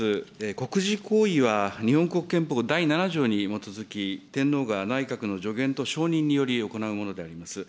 国事行為は日本国憲法第７条に基づき、天皇が内閣の助言と承認により行うものであります。